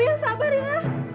ibu sabar ya